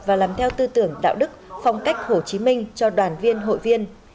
và làm theo tư tưởng đạo đức phong cách hồ chí minh cho đoàn viên hội viên